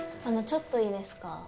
あのちょっといいですか？